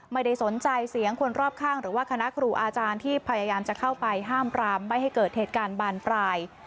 ไม่ได้สนใจเสียงคนรอบข้างหรือว่าคณะครูอาจารย์ที่พยายามจะเข้าไปห้ามปรามไม่ให้เกิดเหตุการณ์บานปลาย